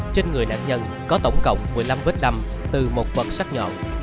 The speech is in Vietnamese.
trên người nạn nhân có tổng cộng một mươi năm vết nằm từ một vật sắt nhọn